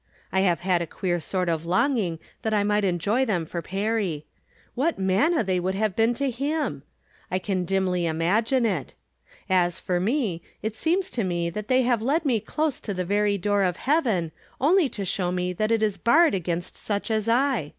I have had a queer sort of longing that I might enjoy them for Perry. What manna they would have been to him! I can dimly imagine it. As for me, it seems to me that they have led me close to the very door of heaven, only to show me that it is barred against such as I.